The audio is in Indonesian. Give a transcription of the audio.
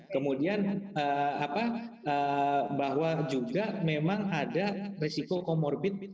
kemudian bahwa juga memang ada resiko comorbid